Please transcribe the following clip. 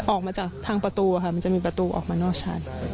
ออกมาจากทางประตูค่ะมันจะมีประตูออกมานอกชั้น